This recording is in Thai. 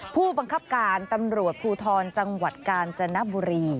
ผู้บังคับการตำรวจภูทรจังหวัดกาญจนบุรี